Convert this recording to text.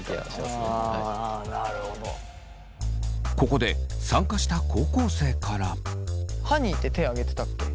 ここで参加した高校生からはにって手挙げてたっけ？